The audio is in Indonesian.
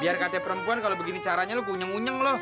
biar katanya perempuan kalo begini caranya lu gunyeng gunyeng loh